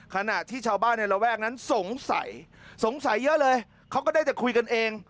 ขณะที่ชาวบ้านในระแวกนั้นสงสัยสงสัยเยอะเลยเขาก็ได้แต่คุยกันเอง